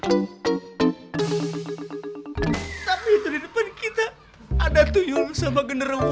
tapi itu di depan kita ada tuyul sama generewo